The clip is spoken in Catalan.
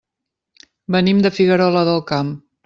Venim de Figuerola del Camp.